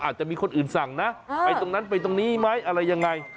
อาจจะมีคนอื่นสั่งนะไปตรงนั้นไปตรงนี้ไหมอะไรยังไง